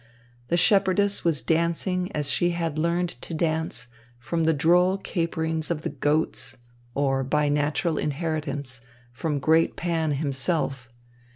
The shepherdess was dancing as she had learned to dance from the droll caperings of the goats or, by natural inheritance, from great Pan himself.